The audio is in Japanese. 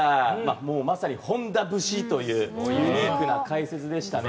もう、まさに本田節というユニークな解説でしたね。